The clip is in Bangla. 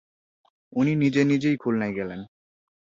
উনি নিজে নিজেই খুলনায় গেলেন।